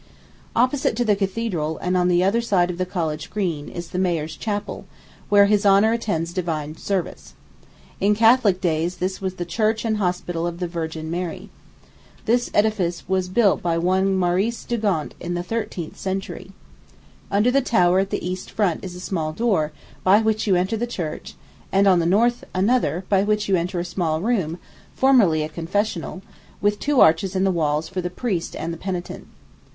Opposite to the cathedral, and on the other side of the college green, is the Mayor's Chapel, where his honor attends divine service. In Catholic days, this was the Church and Hospital of the Virgin Mary. This edifice was built by one Maurice de Gaunt in the thirteenth century. Under the tower at the east front is a small door, by which you enter the church, and on the north another, by which you enter a small room, formerly a confessional, with two arches in the walls for the priest and the penitent.